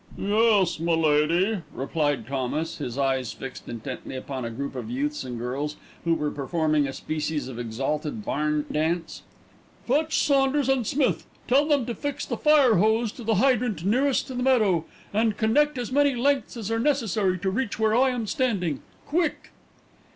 "Yes, m'lady," replied Thomas, his eyes fixed intently upon a group of youths and girls who were performing a species of exalted barn dance. "Fetch Saunders and Smith; tell them to fix the fire hose to the hydrant nearest the meadow, and connect as many lengths as are necessary to reach where I am standing. Quick!"